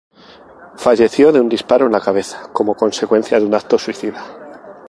Falleció de un disparo en la cabeza, como consecuencia de un acto suicida.